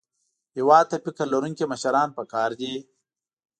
هېواد ته فکر لرونکي مشران پکار دي